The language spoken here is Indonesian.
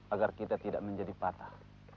agar kita tidak menjadi patah